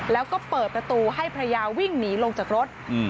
แล้วก็เปิดประตูให้ภรรยาวิ่งหนีลงจากรถ